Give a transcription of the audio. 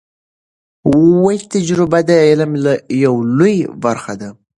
تجربه د علم یو لوی برخه ده.